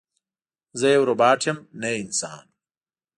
زه یو روباټ یم نه انسان